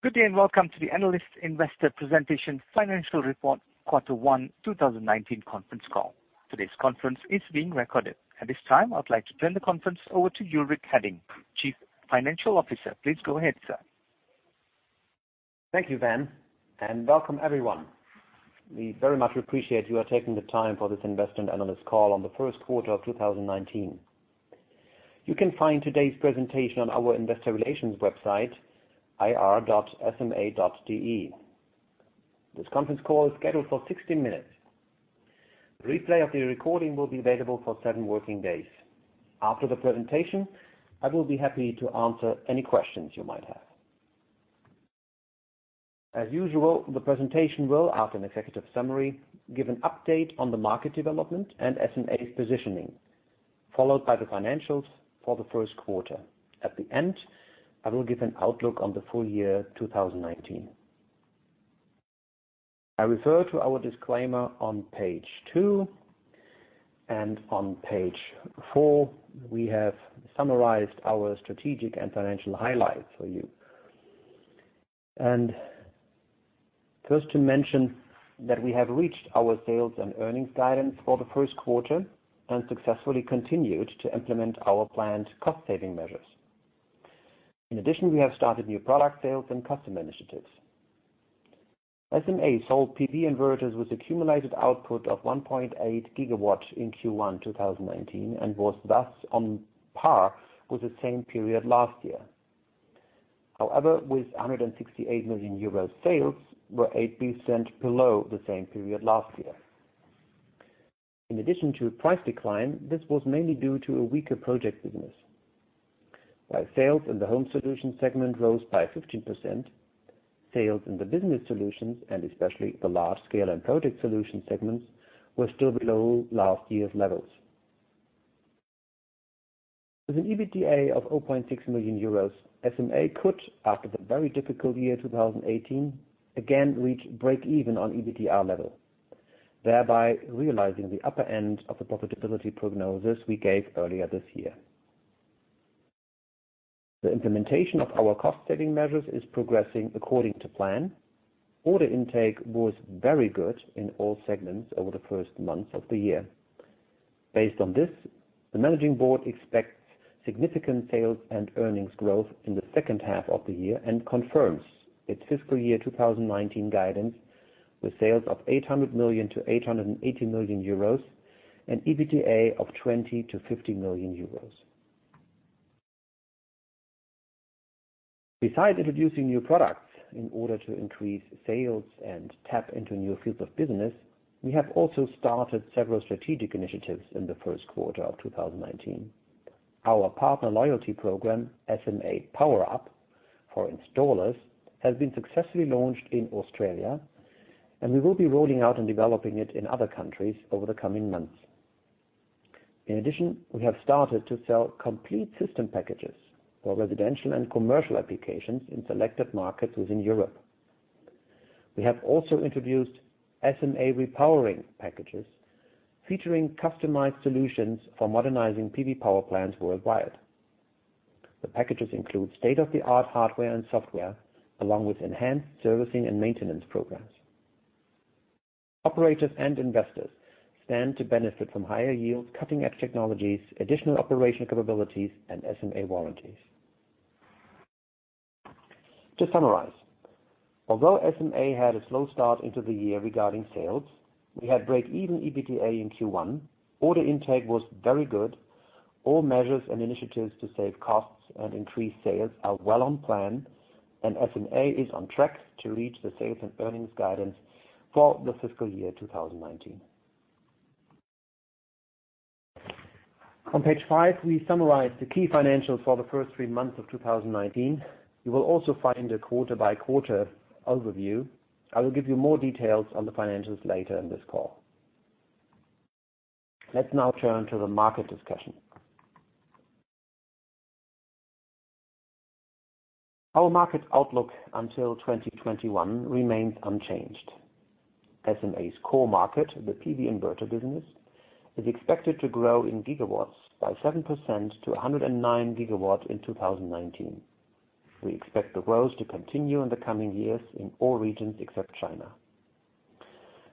Good day. Welcome to the Analyst Investor Presentation Financial Report Quarter 1 2019 conference call. Today's conference is being recorded. At this time, I would like to turn the conference over to Ulrich Hadding, Chief Financial Officer. Please go ahead, sir. Thank you, Van. Welcome everyone. We very much appreciate you are taking the time for this investment analyst call on the first quarter of 2019. You can find today's presentation on our investor relations website, ir.sma.de. This conference call is scheduled for 60 minutes. Replay of the recording will be available for seven working days. After the presentation, I will be happy to answer any questions you might have. As usual, the presentation will, after an executive summary, give an update on the market development and SMA's positioning, followed by the financials for the first quarter. At the end, I will give an outlook on the full year 2019. I refer to our disclaimer on page two and on page four, we have summarized our strategic and financial highlights for you. First to mention that we have reached our sales and earnings guidance for the first quarter and successfully continued to implement our planned cost-saving measures. In addition, we have started new product sales and customer initiatives. SMA sold PV inverters with accumulated output of 1.8 gigawatts in Q1 2019 and was thus on par with the same period last year. However, with 168 million euros sales were 18% below the same period last year. In addition to a price decline, this was mainly due to a weaker project business. While sales in the Home Solutions segment rose by 15%, sales in the Business Solutions and especially the Large Scale & Project Solutions segments were still below last year's levels. With an EBITDA of 0.6 million euros, SMA could, after the very difficult year 2018, again reach break-even on EBITDA level, thereby realizing the upper end of the profitability prognosis we gave earlier this year. The implementation of our cost-saving measures is progressing according to plan. Order intake was very good in all segments over the first months of the year. Based on this, the managing board expects significant sales and earnings growth in the second half of the year and confirms its fiscal year 2019 guidance with sales of 800 million-880 million euros and EBITDA of 20 million-50 million euros. Besides introducing new products in order to increase sales and tap into new fields of business, we have also started several strategic initiatives in the first quarter of 2019. Our partner loyalty program, SMA PowerUP for installers, has been successfully launched in Australia, and we will be rolling out and developing it in other countries over the coming months. In addition, we have started to sell complete system packages for residential and commercial applications in selected markets within Europe. We have also introduced SMA Repowering packages, featuring customized solutions for modernizing PV power plants worldwide. The packages include state-of-the-art hardware and software, along with enhanced servicing and maintenance programs. Operators and investors stand to benefit from higher yields, cutting-edge technologies, additional operational capabilities, and SMA warranties. To summarize, although SMA had a slow start into the year regarding sales, we had break-even EBITDA in Q1, order intake was very good, all measures and initiatives to save costs and increase sales are well on plan, and SMA is on track to reach the sales and earnings guidance for the fiscal year 2019. On page five, we summarize the key financials for the first three months of 2019. You will also find a quarter-by-quarter overview. I will give you more details on the financials later in this call. Let's now turn to the market discussion. Our market outlook until 2021 remains unchanged. SMA's core market, the PV inverter business, is expected to grow in gigawatts by 7% to 109 gigawatts in 2019. We expect the growth to continue in the coming years in all regions except China.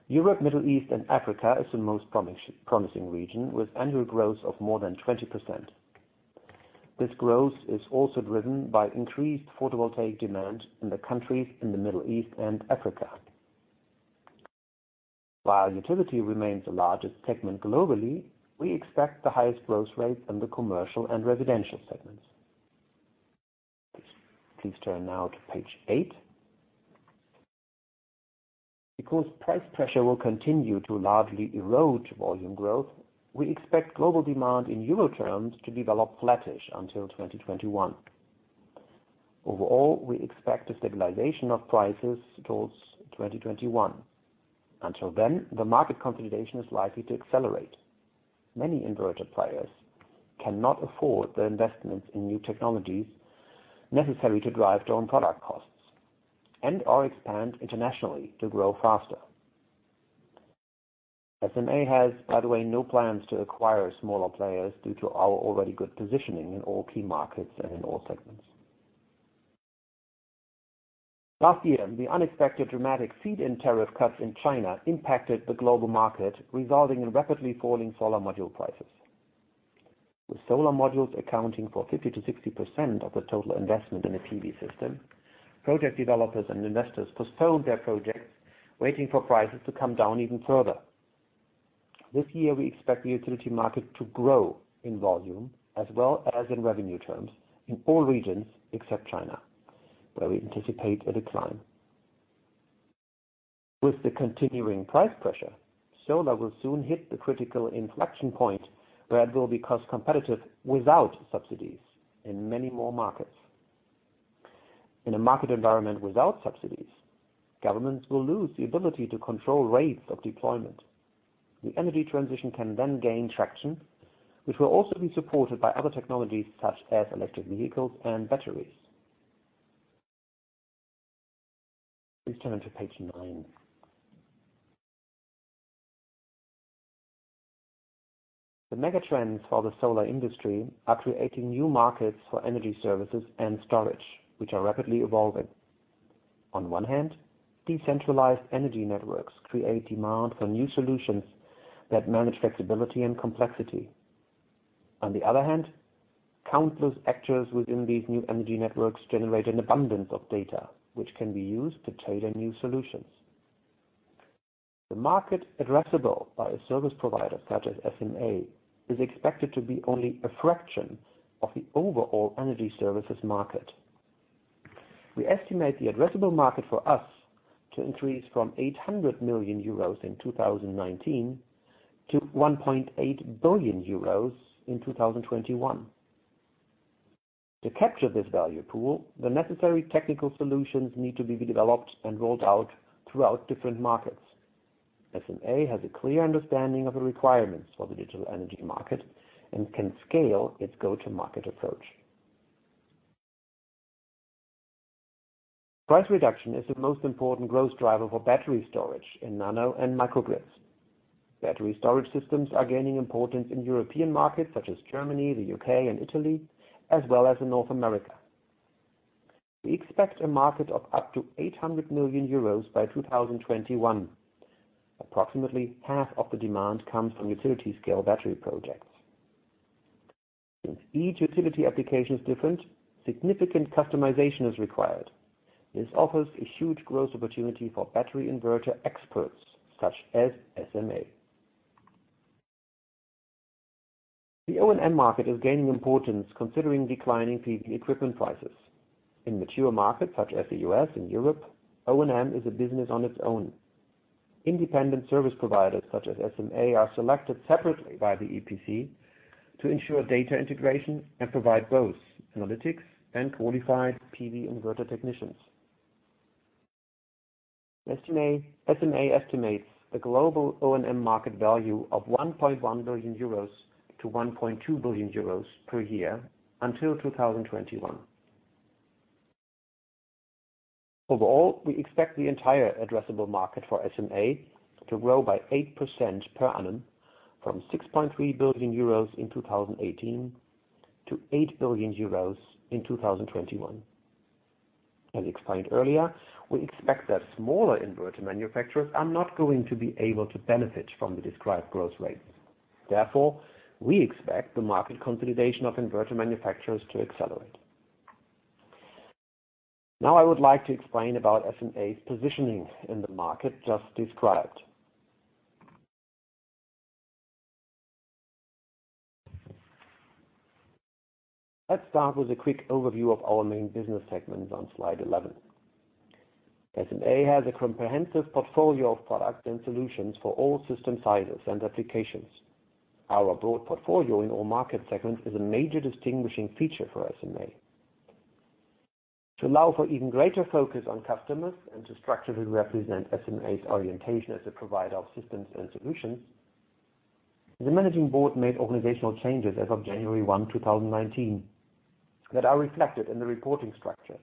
Europe, Middle East and Africa is the most promising region with annual growth of more than 20%. This growth is also driven by increased photovoltaic demand in the countries in the Middle East and Africa. While utility remains the largest segment globally, we expect the highest growth rates in the commercial and residential segments. Please turn now to page eight. Because price pressure will continue to largely erode volume growth, we expect global demand in EUR terms to develop flattish until 2021. Overall, we expect a stabilization of prices towards 2021. Until then, the market consolidation is likely to accelerate. Many inverter players cannot afford the investments in new technologies necessary to drive down product costs and/or expand internationally to grow faster. SMA has, by the way, no plans to acquire smaller players due to our already good positioning in all key markets and in all segments. Last year, the unexpected dramatic feed-in tariff cuts in China impacted the global market, resulting in rapidly falling solar module prices. With solar modules accounting for 50%-60% of the total investment in a PV system, project developers and investors postponed their projects, waiting for prices to come down even further. This year, we expect the utility market to grow in volume as well as in revenue terms in all regions except China, where we anticipate a decline. With the continuing price pressure, solar will soon hit the critical inflection point where it will be cost competitive without subsidies in many more markets. In a market environment without subsidies, governments will lose the ability to control rates of deployment. The energy transition can then gain traction, which will also be supported by other technologies such as electric vehicles and batteries. Please turn to page nine. The megatrends for the solar industry are creating new markets for energy services and storage, which are rapidly evolving. On one hand, decentralized energy networks create demand for new solutions that manage flexibility and complexity. On the other hand, countless actors within these new energy networks generate an abundance of data, which can be used to tailor new solutions. The market addressable by a service provider such as SMA is expected to be only a fraction of the overall energy services market. We estimate the addressable market for us to increase from 800 million euros in 2019 to 1.8 billion euros in 2021. To capture this value pool, the necessary technical solutions need to be developed and rolled out throughout different markets. SMA has a clear understanding of the requirements for the digital energy market and can scale its go-to-market approach. Price reduction is the most important growth driver for battery storage in nano and microgrids. Battery storage systems are gaining importance in European markets such as Germany, the U.K., and Italy, as well as in North America. We expect a market of up to 800 million euros by 2021. Approximately half of the demand comes from utility-scale battery projects. Since each utility application is different, significant customization is required. This offers a huge growth opportunity for battery inverter experts such as SMA. The O&M market is gaining importance considering declining PV equipment prices. In mature markets such as the U.S. and Europe, O&M is a business on its own. Independent service providers such as SMA are selected separately by the EPC to ensure data integration and provide both analytics and qualified PV inverter technicians. SMA estimates the global O&M market value of 1.1 billion-1.2 billion euros per year until 2021. Overall, we expect the entire addressable market for SMA to grow by 8% per annum from 6.3 billion euros in 2018 to 8 billion euros in 2021. As explained earlier, we expect that smaller inverter manufacturers are not going to be able to benefit from the described growth rates. Therefore, we expect the market consolidation of inverter manufacturers to accelerate. Now I would like to explain about SMA's positioning in the market just described. Let's start with a quick overview of our main business segments on slide 11. SMA has a comprehensive portfolio of products and solutions for all system sizes and applications. Our broad portfolio in all market segments is a major distinguishing feature for SMA. To allow for even greater focus on customers and to structurally represent SMA's orientation as a provider of systems and solutions, the managing board made organizational changes as of January 1, 2019, that are reflected in the reporting structure.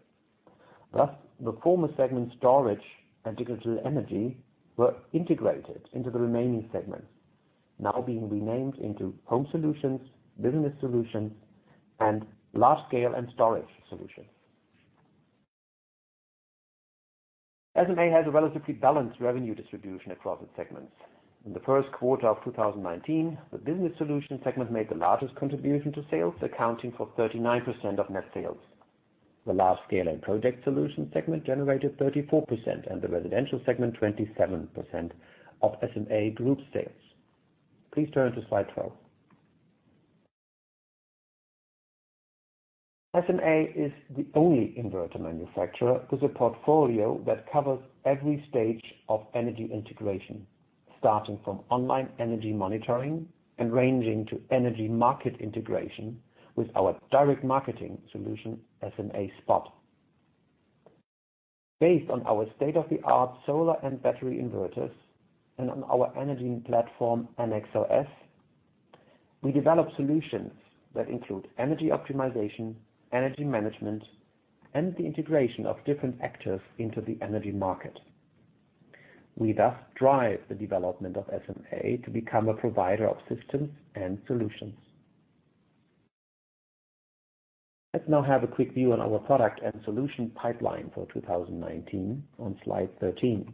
Thus, the former segment storage and digital energy were integrated into the remaining segments, now being renamed into Home Solutions, Business Solutions, and Large-Scale and Storage Solutions. SMA has a relatively balanced revenue distribution across its segments. In the first quarter of 2019, the Business Solutions segment made the largest contribution to sales, accounting for 39% of net sales. The Large Scale & Project Solutions segment generated 34%, and the Residential segment 27% of SMA Group sales. Please turn to slide 12. SMA is the only inverter manufacturer with a portfolio that covers every stage of energy integration, starting from online energy monitoring and ranging to energy market integration with our direct marketing solution, SMA SPOT. Based on our state-of-the-art solar and battery inverters and on our energy platform, ennexOS. We develop solutions that include energy optimization, energy management, and the integration of different actors into the energy market. We thus drive the development of SMA to become a provider of systems and solutions. Let's now have a quick view on our product and solution pipeline for 2019 on slide 13.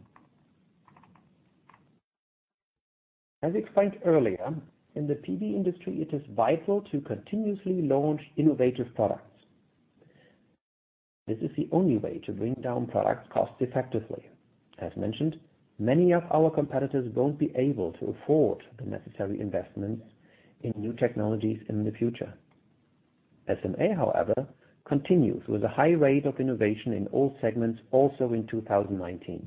As explained earlier, in the PV industry, it is vital to continuously launch innovative products. This is the only way to bring down product costs effectively. As mentioned, many of our competitors won't be able to afford the necessary investments in new technologies in the future. SMA, however, continues with a high rate of innovation in all segments also in 2019.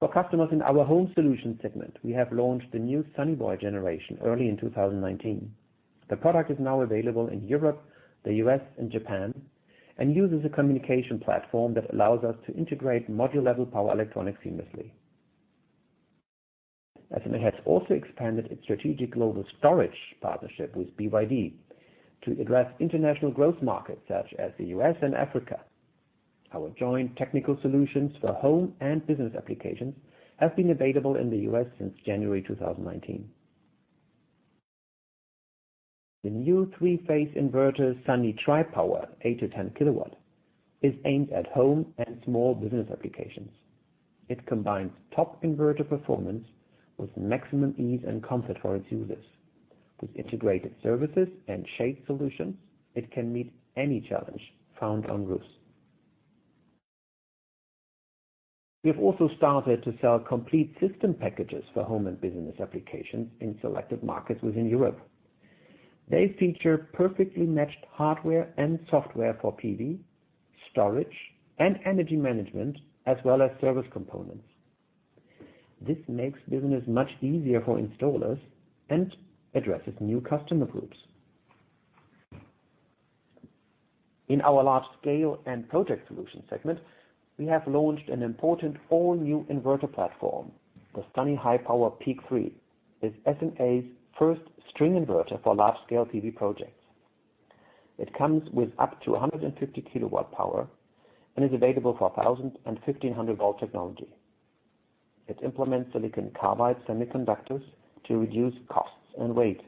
For customers in our Home Solutions segment, we have launched the new Sunny Boy generation early in 2019. The product is now available in Europe, the U.S., and Japan, and uses a communication platform that allows us to integrate module-level power electronics seamlessly. SMA has also expanded its strategic global storage partnership with BYD to address international growth markets such as the U.S. and Africa. Our joint technical solutions for home and business applications have been available in the U.S. since January 2019. The new three-phase inverter, Sunny Tripower 8 kW-10 kW, is aimed at home and small business applications. It combines top inverter performance with maximum ease and comfort for its users. With integrated services and shade solutions, it can meet any challenge found on roofs. We have also started to sell complete system packages for home and business applications in selected markets within Europe. They feature perfectly matched hardware and software for PV, storage, and energy management, as well as service components. This makes business much easier for installers and addresses new customer groups. In our Large Scale & Project Solutions segment, we have launched an important all-new inverter platform. The Sunny Highpower PEAK3 is SMA's first string inverter for large scale PV projects. It comes with up to 150 kW power and is available for 1,000 and 1,500 V technology. It implements silicon carbide semiconductors to reduce costs and weight.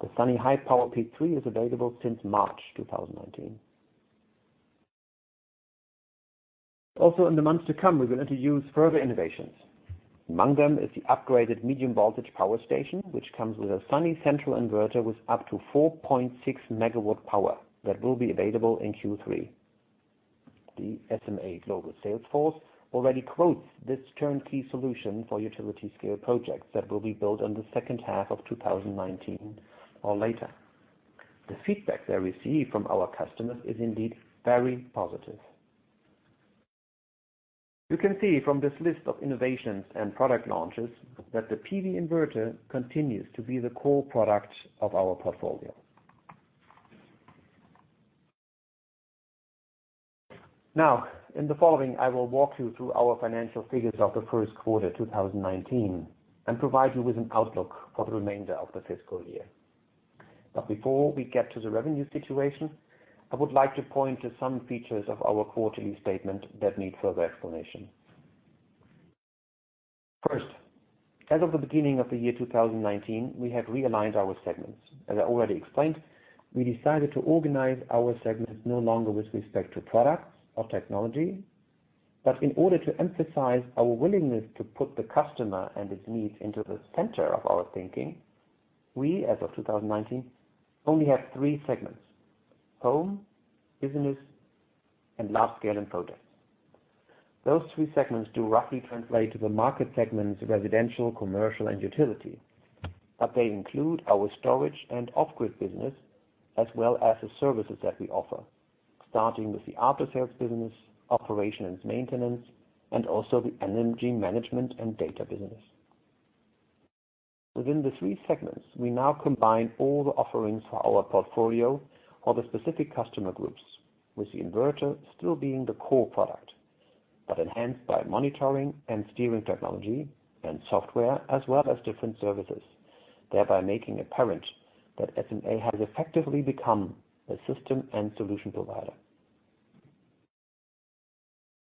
The Sunny Highpower PEAK3 is available since March 2019. Also in the months to come, we will introduce further innovations. Among them is the upgraded medium voltage power station, which comes with a Sunny Central inverter with up to 4.6 MW power that will be available in Q3. The SMA global sales force already quotes this turnkey solution for utility scale projects that will be built in the second half of 2019 or later. The feedback that we see from our customers is indeed very positive. You can see from this list of innovations and product launches that the PV inverter continues to be the core product of our portfolio. In the following, I will walk you through our financial figures of the first quarter 2019 and provide you with an outlook for the remainder of the fiscal year. Before we get to the revenue situation, I would like to point to some features of our quarterly statement that need further explanation. First, as of the beginning of the year 2019, we have realigned our segments. As I already explained, we decided to organize our segments no longer with respect to products or technology, but in order to emphasize our willingness to put the customer and its needs into the center of our thinking, we, as of 2019, only have three segments: Home, Business, and Large Scale and Projects. Those three segments do roughly translate to the market segments, residential, commercial, and utility. They include our storage and off-grid business, as well as the services that we offer, starting with the aftersales business, operation and maintenance, and also the energy management and data business. Within the three segments, we now combine all the offerings for our portfolio or the specific customer groups, with the inverter still being the core product, but enhanced by monitoring and steering technology and software, as well as different services, thereby making it apparent that SMA has effectively become a system and solution provider.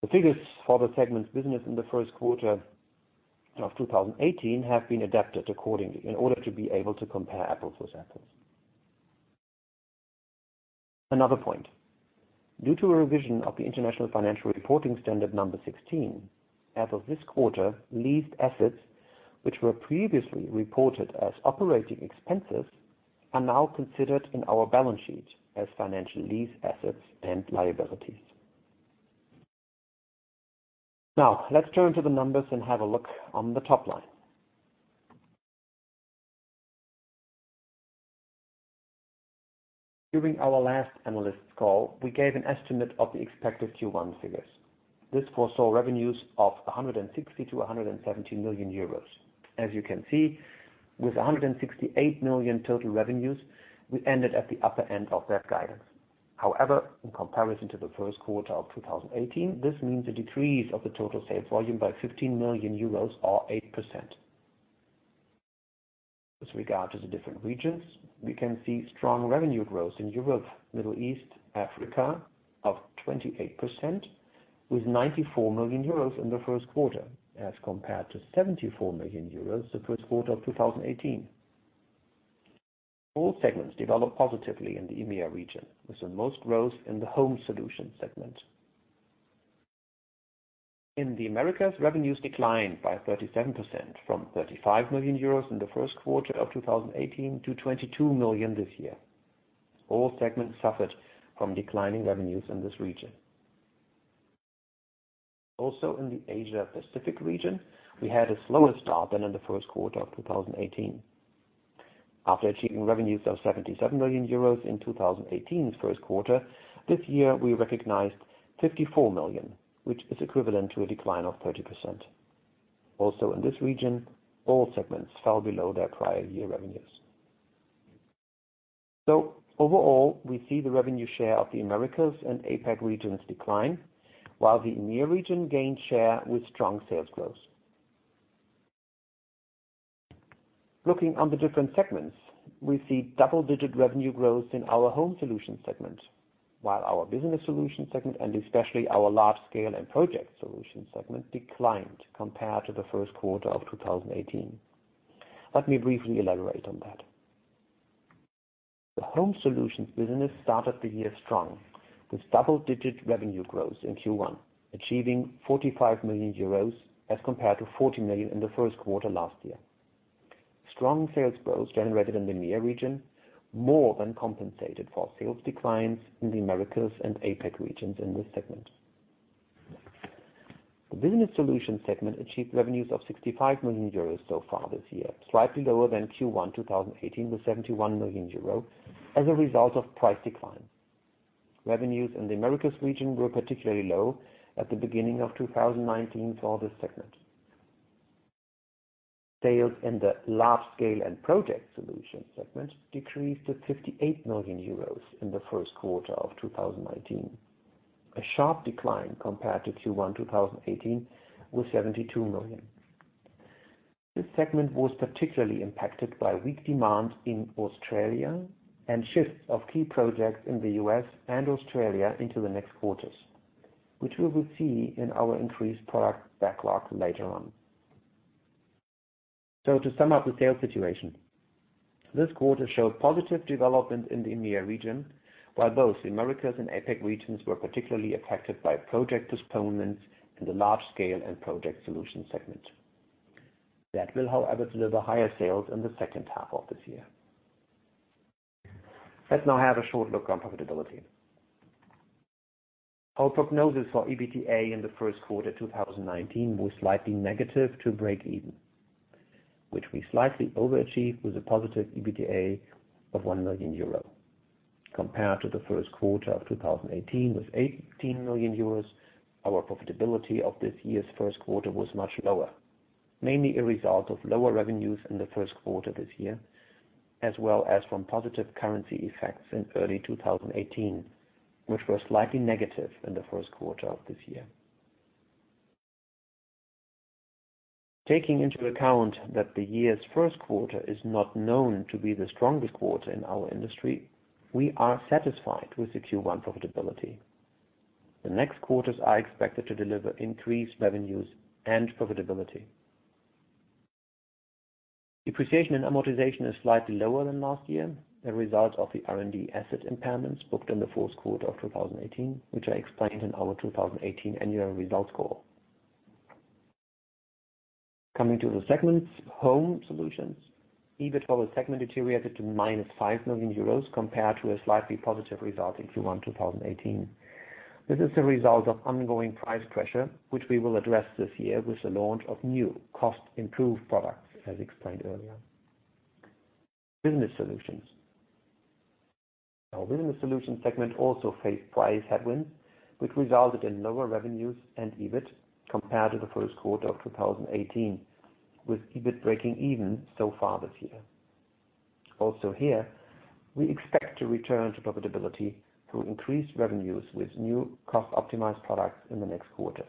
The figures for the segment business in the first quarter of 2018 have been adapted accordingly in order to be able to compare apples with apples. Another point, due to a revision of the International Financial Reporting Standard 16, as of this quarter, leased assets which were previously reported as operating expenses, are now considered in our balance sheet as financial lease assets and liabilities. Let's turn to the numbers and have a look on the top line. During our last analyst call, we gave an estimate of the expected Q1 figures. This foresaw revenues of 160 million-170 million euros. As you can see, with 168 million total revenues, we ended at the upper end of that guidance. However, in comparison to the first quarter of 2018, this means a decrease of the total sales volume by 15 million euros or 8%. With regard to the different regions, we can see strong revenue growth in Europe, Middle East, Africa of 28%, with 94 million euros in the first quarter as compared to 74 million euros the first quarter of 2018. All segments developed positively in the EMEA region, with the most growth in the Home Solution segment. In the Americas, revenues declined by 37%, from 35 million euros in the first quarter of 2018 to 22 million this year. All segments suffered from declining revenues in this region. In the Asia Pacific region, we had a slower start than in the first quarter of 2018. After achieving revenues of 77 million euros in 2018's first quarter, this year we recognized 54 million, which is equivalent to a decline of 30%. In this region, all segments fell below their prior year revenues. Overall, we see the revenue share of the Americas and APAC regions decline, while the EMEA region gained share with strong sales growth. Looking on the different segments, we see double-digit revenue growth in our Home Solutions segment, while our Business Solutions segment, and especially our Large Scale and Project Solutions segment, declined compared to the first quarter of 2018. Let me briefly elaborate on that. The Home Solutions business started the year strong, with double-digit revenue growth in Q1, achieving 45 million euros as compared to 40 million in the first quarter last year. Strong sales growth generated in the EMEA region more than compensated for sales declines in the Americas and APAC regions in this segment. The Business Solutions segment achieved revenues of 65 million euros so far this year, slightly lower than Q1 2018 with 71 million euros as a result of price declines. Revenues in the Americas region were particularly low at the beginning of 2019 for this segment. Sales in the Large Scale and Project Solutions segment decreased to 58 million euros in the first quarter of 2019, a sharp decline compared to Q1 2018 with 72 million. This segment was particularly impacted by weak demand in Australia and shifts of key projects in the U.S. and Australia into the next quarters, which we will see in our increased product backlog later on. To sum up the sales situation, this quarter showed positive development in the EMEA region, while both the Americas and APAC regions were particularly affected by project postponements in the Large Scale and Project Solutions segment. That will, however, deliver higher sales in the second half of this year. Let's now have a short look on profitability. Our prognosis for EBITDA in the first quarter 2019 was slightly negative to break even, which we slightly overachieved with a positive EBITDA of 0.6 million euro. Compared to the first quarter of 2018 with 18 million euros, our profitability of this year's first quarter was much lower, mainly a result of lower revenues in the first quarter this year, as well as from positive currency effects in early 2018, which were slightly negative in the first quarter of this year. Taking into account that the year's first quarter is not known to be the strongest quarter in our industry, we are satisfied with the Q1 profitability. The next quarters are expected to deliver increased revenues and profitability. Depreciation and amortization is slightly lower than last year, a result of the R&D asset impairments booked in the fourth quarter of 2018, which I explained in our 2018 annual results call. Coming to the segments, Home Solutions. EBITDA for the segment deteriorated to minus 5 million euros compared to a slightly positive result in Q1 2018. This is a result of ongoing price pressure, which we will address this year with the launch of new cost-improved products, as explained earlier. Business Solutions. Our Business Solutions segment also faced price headwinds, which resulted in lower revenues and EBIT compared to the first quarter of 2018, with EBIT breaking even so far this year. Also here, we expect to return to profitability through increased revenues with new cost-optimized products in the next quarters.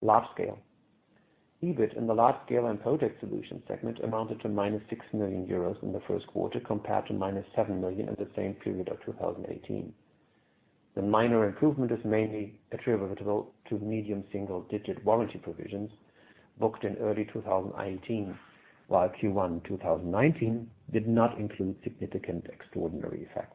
Large Scale. EBIT in the Large Scale and Project Solutions segment amounted to minus 6 million euros in the first quarter, compared to minus 7 million in the same period of 2018. The minor improvement is mainly attributable to medium single-digit warranty provisions booked in early 2018, while Q1 2019 did not include significant extraordinary effects.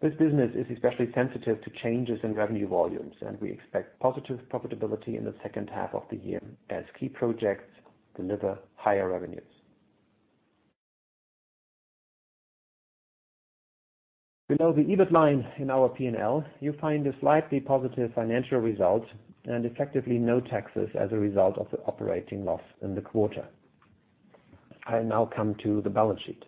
This business is especially sensitive to changes in revenue volumes. We expect positive profitability in the second half of the year as key projects deliver higher revenues. Below the EBIT line in our P&L, you find a slightly positive financial result and effectively no taxes as a result of the operating loss in the quarter. I now come to the balance sheet.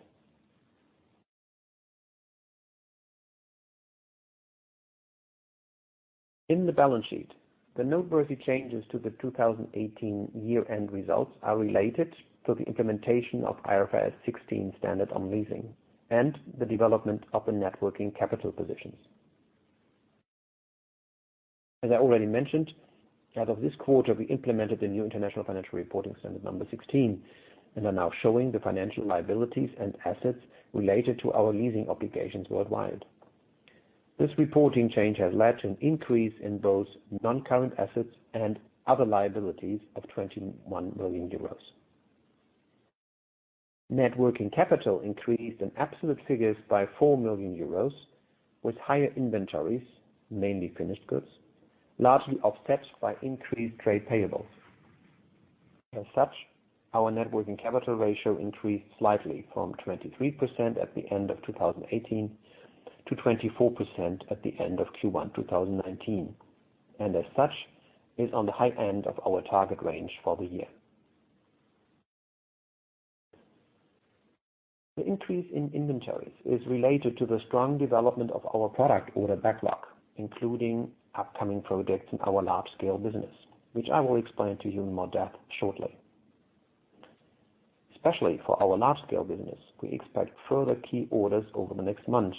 In the balance sheet, the noteworthy changes to the 2018 year-end results are related to the implementation of IFRS 16 standard on leasing and the development of the net working capital positions. As I already mentioned, as of this quarter, we implemented the new International Financial Reporting Standard number 16 and are now showing the financial liabilities and assets related to our leasing obligations worldwide. This reporting change has led to an increase in both non-current assets and other liabilities of 21 million euros. Net working capital increased in absolute figures by 4 million euros with higher inventories, mainly finished goods, largely offset by increased trade payables. As such, our net working capital ratio increased slightly from 23% at the end of 2018 to 24% at the end of Q1 2019. As such, is on the high end of our target range for the year. The increase in inventories is related to the strong development of our product order backlog, including upcoming projects in our large-scale business, which I will explain to you in more depth shortly. Especially for our large-scale business, we expect further key orders over the next months,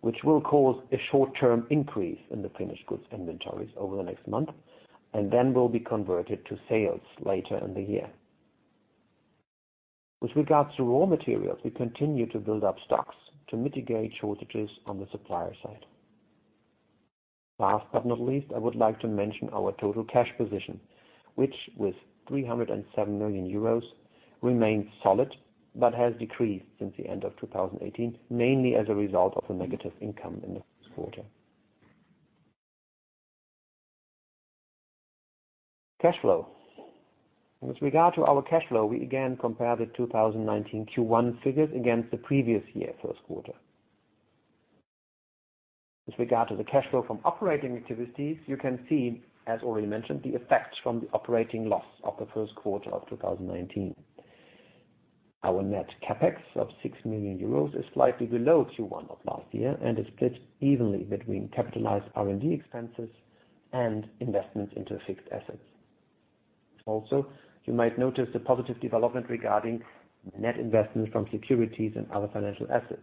which will cause a short-term increase in the finished goods inventories over the next month and then will be converted to sales later in the year. With regards to raw materials, we continue to build up stocks to mitigate shortages on the supplier side. Last but not least, I would like to mention our total cash position, which with 307 million euros remains solid but has decreased since the end of 2018, mainly as a result of a negative income in the first quarter. Cash flow. With regard to our cash flow, we again compare the 2019 Q1 figures against the previous year first quarter. With regard to the cash flow from operating activities, you can see, as already mentioned, the effects from the operating loss of the first quarter of 2019. Our net CapEx of 6 million euros is slightly below Q1 of last year and is split evenly between capitalized R&D expenses and investments into fixed assets. You might notice the positive development regarding net investment from securities and other financial assets,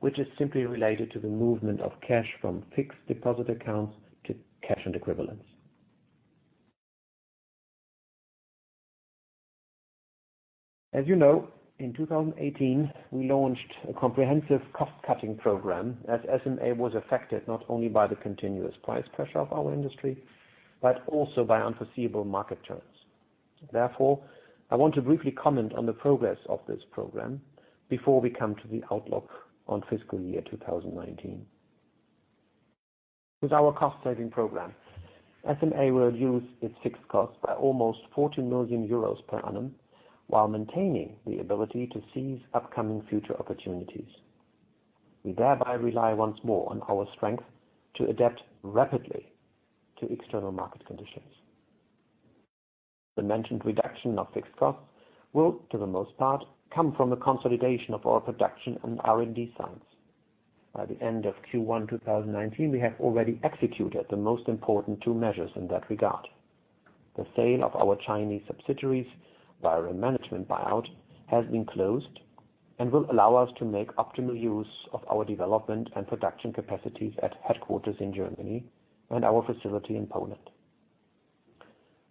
which is simply related to the movement of cash from fixed deposit accounts to cash and equivalents. As you know, in 2018, we launched a comprehensive cost-cutting program as SMA was affected not only by the continuous price pressure of our industry, but also by unforeseeable market turns. I want to briefly comment on the progress of this program before we come to the outlook on fiscal year 2019. With our cost-saving program, SMA will reduce its fixed costs by almost 40 million euros per annum while maintaining the ability to seize upcoming future opportunities. We thereby rely once more on our strength to adapt rapidly to external market conditions. The mentioned reduction of fixed costs will, to the most part, come from the consolidation of our production and R&D sites. By the end of Q1 2019, we have already executed the most important two measures in that regard. The sale of our Chinese subsidiaries via a management buyout has been closed and will allow us to make optimal use of our development and production capacities at headquarters in Germany and our facility in Poland.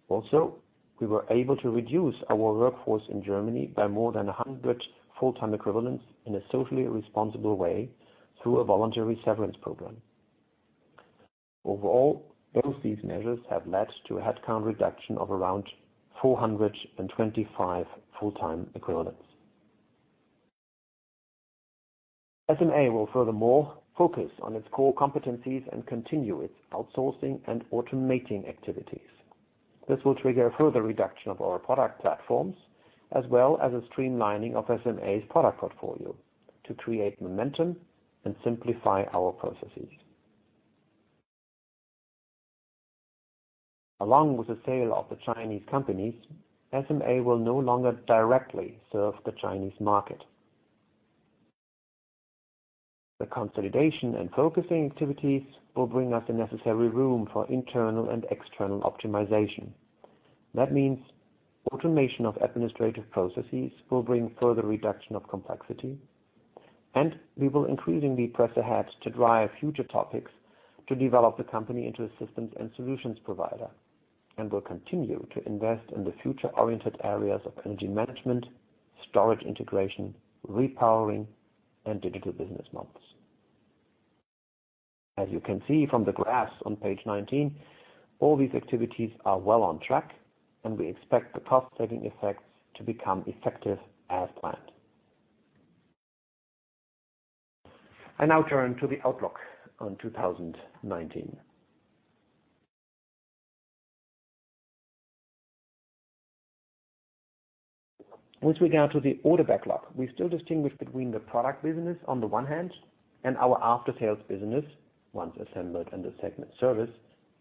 Also, we were able to reduce our workforce in Germany by more than 100 full-time equivalents in a socially responsible way through a voluntary severance program. Overall, both these measures have led to a headcount reduction of around 425 full-time equivalents. SMA will furthermore focus on its core competencies and continue its outsourcing and automating activities. This will trigger a further reduction of our product platforms, as well as a streamlining of SMA's product portfolio to create momentum and simplify our processes. Along with the sale of the Chinese companies, SMA will no longer directly serve the Chinese market. The consolidation and focusing activities will bring us the necessary room for internal and external optimization. That means automation of administrative processes will bring further reduction of complexity, and we will increasingly press ahead to drive future topics to develop the company into a systems and solutions provider and will continue to invest in the future-oriented areas of energy management, storage integration, repowering, and digital business models. As you can see from the graphs on page 19, all these activities are well on track, and we expect the cost-saving effects to become effective as planned. I now turn to the outlook on 2019. With regard to the order backlog, we still distinguish between the product business on the one hand and our after-sales business, once assembled under segment service,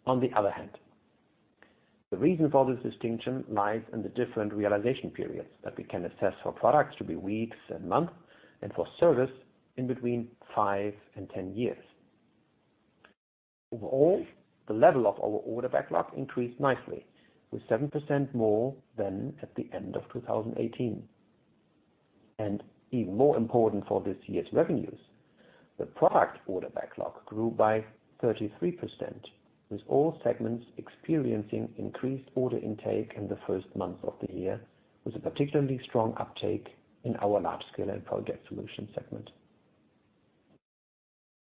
on the other hand. The reason for this distinction lies in the different realization periods that we can assess for products to be weeks and months, and for service, in between five and 10 years. Overall, the level of our order backlog increased nicely, with 7% more than at the end of 2018. Even more important for this year's revenues, the product order backlog grew by 33%, with all segments experiencing increased order intake in the first months of the year, with a particularly strong uptake in our Large Scale & Project Solutions segment.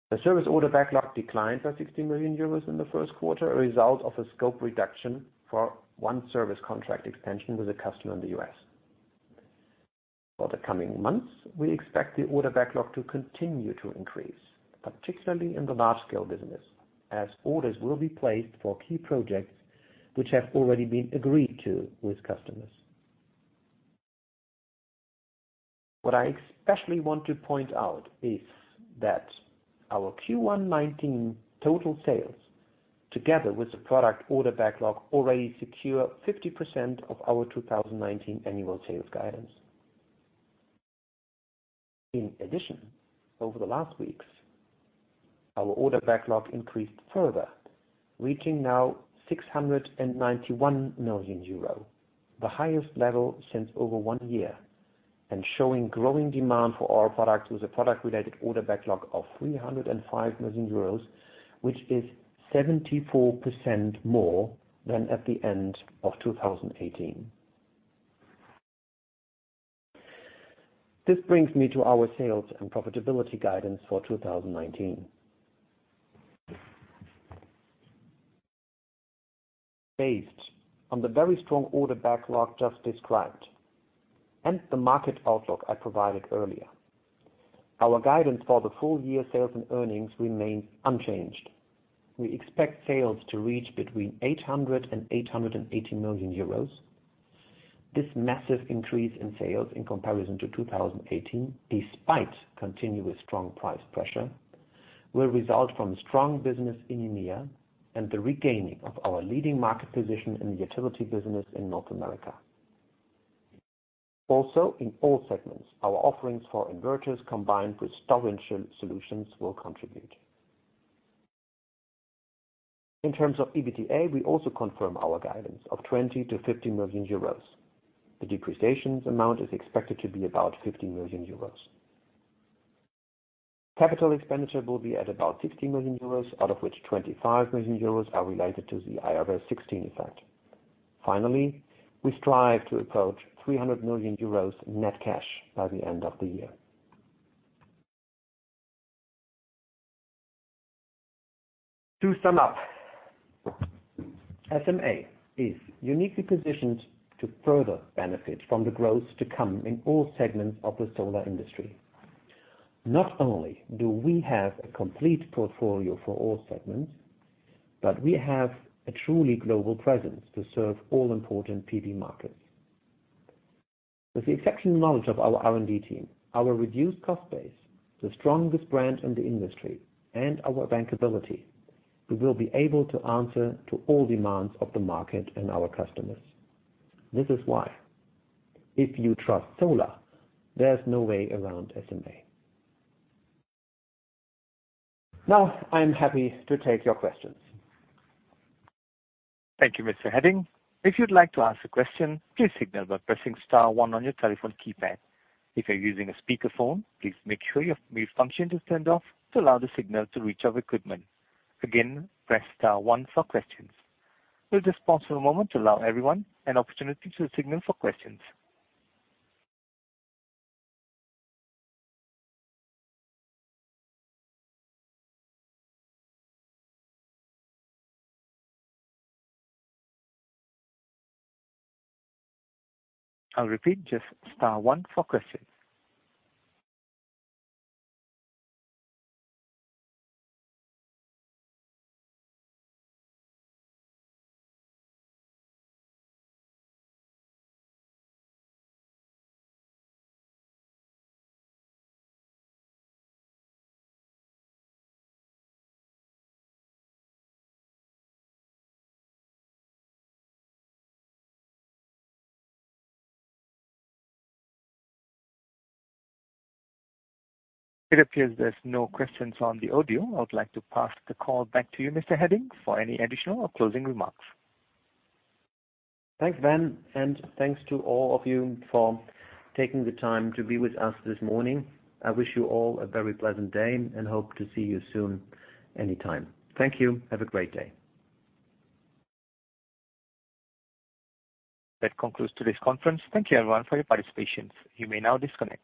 The service order backlog declined by 60 million euros in the first quarter, a result of a scope reduction for one service contract extension with a customer in the U.S. For the coming months, we expect the order backlog to continue to increase, particularly in the large scale business, as orders will be placed for key projects which have already been agreed to with customers. What I especially want to point out is that our Q1 '19 total sales, together with the product order backlog, already secure 50% of our 2019 annual sales guidance. In addition, over the last weeks, our order backlog increased further, reaching now 691 million euro, the highest level since over one year, and showing growing demand for our product with a product-related order backlog of 305 million euros, which is 74% more than at the end of 2018. This brings me to our sales and profitability guidance for 2019. Based on the very strong order backlog just described and the market outlook I provided earlier, our guidance for the full year sales and earnings remains unchanged. We expect sales to reach between 800 million euros and 880 million euros. This massive increase in sales in comparison to 2018, despite continuous strong price pressure, will result from strong business in EMEA and the regaining of our leading market position in the utility business in North America. Also, in all segments, our offerings for inverters, combined with storage solutions, will contribute. In terms of EBITDA, we also confirm our guidance of 20 million to 50 million euros. The depreciations amount is expected to be about 50 million euros. Capital expenditure will be at about 60 million euros, out of which 25 million euros are related to the IFRS 16 effect. Finally, we strive to approach 300 million euros net cash by the end of the year. To sum up, SMA is uniquely positioned to further benefit from the growth to come in all segments of the solar industry. Not only do we have a complete portfolio for all segments, but we have a truly global presence to serve all important PV markets. With the exceptional knowledge of our R&D team, our reduced cost base, the strongest brand in the industry, and our bankability, we will be able to answer to all demands of the market and our customers. This is why if you trust solar, there's no way around SMA. I'm happy to take your questions. Thank you, Mr. Heding. If you'd like to ask a question, please signal by pressing star one on your telephone keypad. If you're using a speakerphone, please make sure your mute function is turned off to allow the signal to reach our equipment. Again, press star one for questions. We'll just pause for a moment to allow everyone an opportunity to signal for questions. I'll repeat, just star one for questions. It appears there's no questions on the audio. I would like to pass the call back to you, Mr. Henning, for any additional or closing remarks. Thanks, Van, and thanks to all of you for taking the time to be with us this morning. I wish you all a very pleasant day, and hope to see you soon, anytime. Thank you. Have a great day. That concludes today's conference. Thank you, everyone, for your participation. You may now disconnect.